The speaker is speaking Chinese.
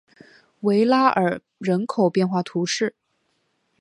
维拉尔人口变化图示